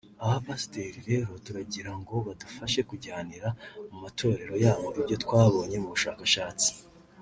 Aba bapasiteri rero turagira ngo badufashe kujyanira matorero yabo ibyo twabonye mu bushakashatsi